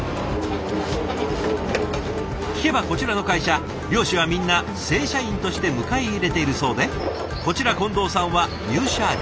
聞けばこちらの会社漁師はみんな正社員として迎え入れているそうでこちら近藤さんは入社１２年目。